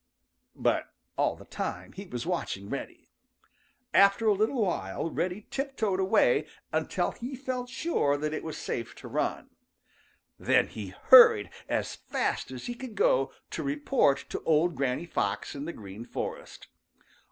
But all the time he was watching Reddy. After a little while Reddy tiptoed away until he felt sure that it was safe to run. Then he hurried as fast as he could go to report to old Granny Fox in the Green Forest.